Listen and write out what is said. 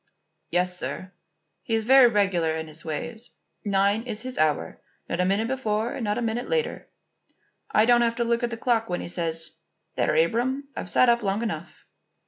"Yes, sir. He is very regular in his ways. Nine is his hour; not a minute before and not a minute later. I don't have to look at the clock when he says: 'There, Abram, I've sat up long enough.